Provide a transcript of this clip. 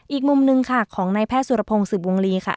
อีกมุมหนึ่งค่ะของนายแพทย์สุรพงศ์สืบวงลีค่ะ